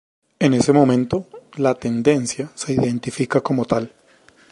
En ese momento "la Tendencia" se identifica como tal.